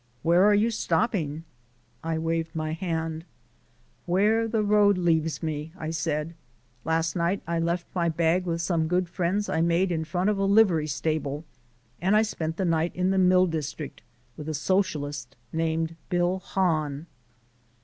"Where are you stopping?" I waved my hand. "Where the road leaves me," I said. "Last night I left my bag with some good friends I made in front of a livery stable and I spent the night in the mill district with a Socialist named Bill Hahn."